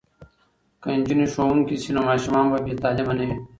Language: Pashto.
که نجونې ښوونکې شي نو ماشومان به بې تعلیمه نه وي.